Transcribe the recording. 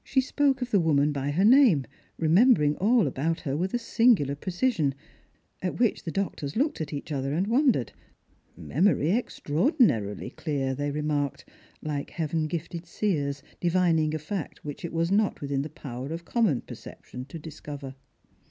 She epoke of the woman by her name, remembering all about her with a singular precision, at which the doctors looked at each other, and wondered ;" Memory extraordinarily clear,"_ they remarked, like heaven gifted seers divining a fact which it was not within the power of common perception to discover.